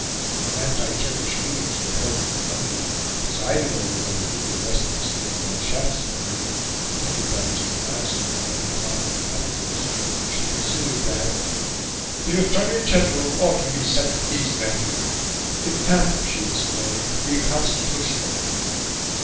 When anti Turkish meetings were held in London, presided over by the Duke of Westminster and Lord Shaftesbury, and attended by Mr. Gladstone and other prominent Radicals, she considered that "the Attorney General ought to be set at these men;" "it can't," she exclaimed, "be constitutional."